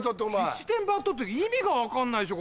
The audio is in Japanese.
「七転八倒」って意味が分かんないでしょ